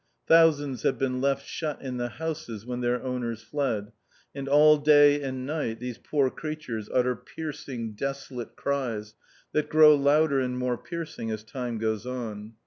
Thousands have been left shut in the houses when their owners fled, and all day and night these poor creatures utter piercing, desolate cries that grow louder and more piercing as time goes on.